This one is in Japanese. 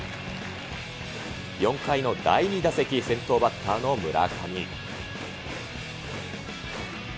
４回の第２打席、先頭バッターの村上。